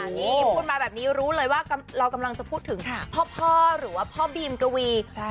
นี่พูดมาแบบนี้รู้เลยว่าเรากำลังจะพูดถึงพ่อหรือว่าพ่อบีมกวี